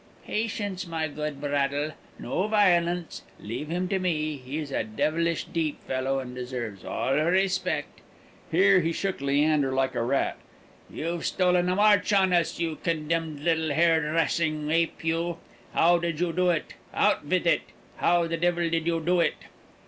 "Patience, my good Braddle. No violence. Leave him to me; he's a devilish deep fellow, and deserves all respect." (Here he shook Leander like a rat.) "You've stolen a march on us, you condemned little hairdressing ape, you! How did you do it? Out with it! How the devil did you do it?"